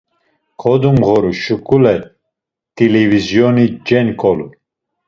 Kodumğoru şuǩule t̆ilivizyoni cenǩolu.